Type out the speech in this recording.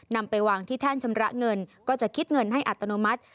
นำไปวางที่แท่นชำระเงินก็จะคิดเงินให้อัตโนมัติ